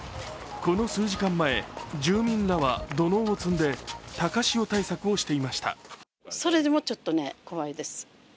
この数時間前、住民らは土のうを積んで高潮対策をしていました。